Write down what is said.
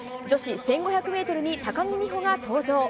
女子１５００ｍに高木美帆が登場。